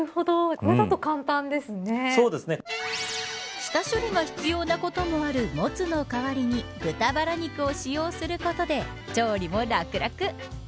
下処理が必要なこともあるもつの代わりに豚ばら肉を使用することで調理も楽々。